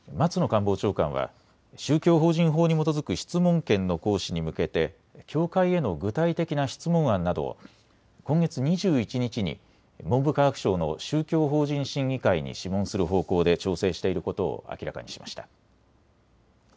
官房長官は宗教法人法に基づく質問権の行使に向けて教会への具体的な質問案などを今月２１日に文部科学省の宗教法人審議会に諮問する方向で調整していることを明らかにしました。